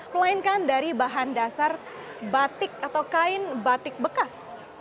melainkan dari bahan dasar batik atau kain batik bekas